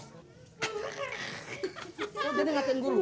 udah dengatin dulu